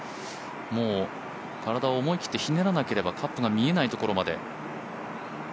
もう体を思い切ってひねらなければカップが見えないところまで。